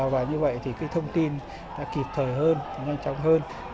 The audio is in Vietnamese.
và như vậy thì cái thông tin đã kịp thời hơn nhanh chóng hơn